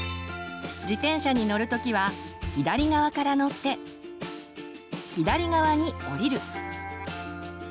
自転車に乗る時は左側から乗って左側に降りる。